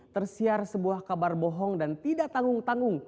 tersiar sebuah kabar bohong dan tidak tanggung tanggung